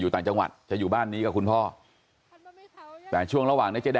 ต่างจังหวัดจะอยู่บ้านนี้กับคุณพ่อแต่ช่วงระหว่างในเจเด